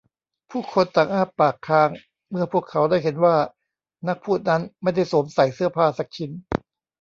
ผู้คนต่างอ้าปากค้างเมื่อพวกเขาได้เห็นว่านักพูดนั้นไม่ได้สวมใส่เสื้อผ้าสักชิ้น